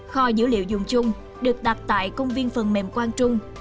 kho dữ liệu dùng chung được đặt tại công viên phần mềm quang trung